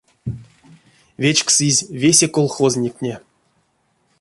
Вечксызь весе колхозниктне.